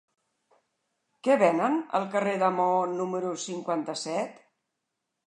Què venen al carrer de Maó número cinquanta-set?